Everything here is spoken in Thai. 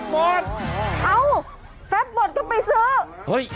เพียบหมดกับไปซื้อ